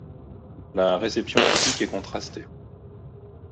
La réception critique est contrastée.